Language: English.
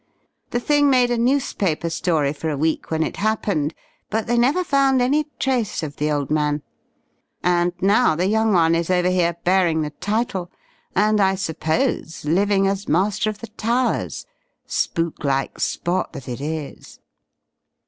The thing made a newspaper story for a week when it happened, but they never found any trace of the old man. And now the young one is over here, bearing the title, and I suppose living as master of the Towers spooklike spot that it is!